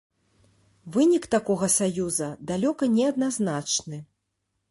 Вынік такога саюза далёка не адназначны.